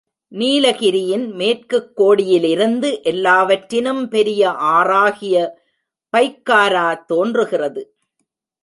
நீலகிரியின் மேற்குக் கோடியிலிருந்து எல்லாவற்றினும் பெரிய ஆறாகிய பைக்காரா தோன்றுகிறது.